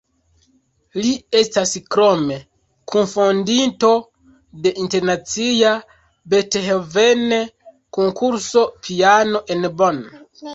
Li estas krome kunfondinto de internacia Beethoven-konkurso piana en Bonn.